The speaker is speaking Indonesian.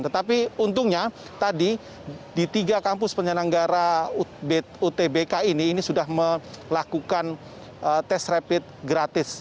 tetapi untungnya tadi di tiga kampus penyelenggara utbk ini ini sudah melakukan tes rapid gratis